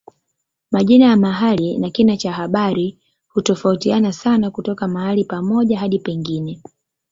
Majina ya mahali na kina cha habari hutofautiana sana kutoka mahali pamoja hadi pengine.